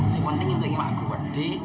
sekonting itu yang mak guberdi